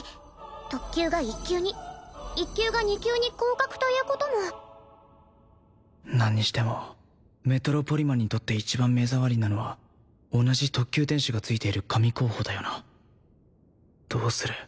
特級が１級に１級が２級に降格ということも何にしてもメトロポリマンにとって一番目障りなのは同じ特級天使がついてる神候補だよなどうする？